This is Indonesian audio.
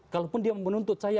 kalaupun dia menuntut saya